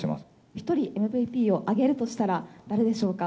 １人、ＭＶＰを挙げるとしたら、誰でしょうか。